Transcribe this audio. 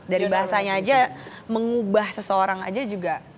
dari bahasanya aja mengubah seseorang aja juga